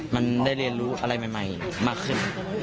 มันได้เรียนรู้อะไรใหม่มากขึ้น